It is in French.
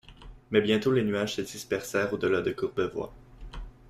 Mais bientôt les nuages se dispersèrent au delà de Courbevoie.